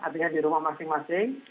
artinya di rumah masing masing